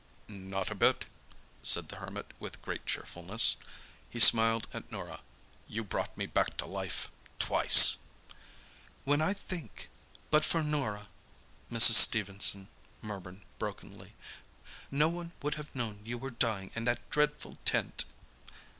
"Not a bit," said the Hermit with great cheerfulness. He smiled at Norah. "You brought me back to life—twice." "When I think—but for Norah," Mrs. Stephenson murmured brokenly, "no one would have known you were dying in that dreadful tent."